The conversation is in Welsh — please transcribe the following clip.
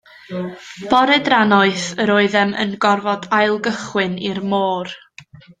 Bore drannoeth yr oeddem yn gorfod ail gychwyn i'r môr.